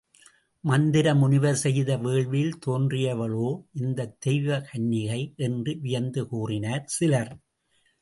மந்தர முனிவர் செய்த வேள்வியில் தோன்றியவளோ இந்தத் தெய்வ கன்னிகை? என்று வியந்து கூறினர் சிலர்.